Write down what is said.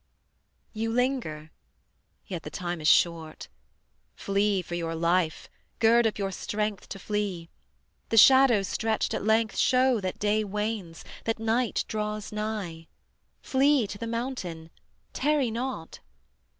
You linger, yet the time is short: Flee for your life, gird up your strength To flee: the shadows stretched at length Show that day wanes, that night draws nigh; Flee to the mountain, tarry not.